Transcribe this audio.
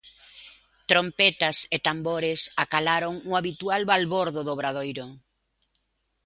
Trompetas e tambores acalaron o habitual balbordo do Obradoiro.